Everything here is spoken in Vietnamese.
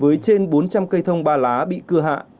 với trên bốn trăm linh cây thông ba lá bị cưa hạ